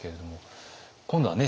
今度はね